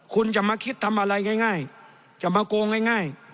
คุณจะมาคิดทำอะไรง่ายจะมาโกงง่าย